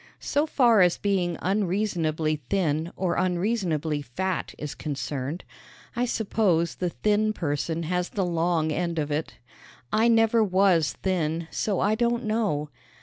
So far as being unreasonably thin or unreasonably fat is concerned, I suppose the thin person has the long end of it. I never was thin, so I don't know.